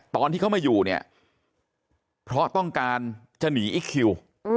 ตอนที่เขามาอยู่เนี่ยเพราะต้องการจะหนีอีคคิว